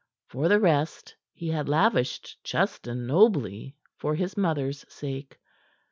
For the rest, he had lavished Justin nobly for his mother's sake.